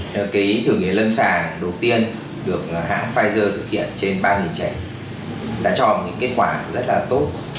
cái thử nghiệm lân sàng đầu tiên được hãng pfizer thực hiện trên ba trẻ đã cho những kết quả rất là tốt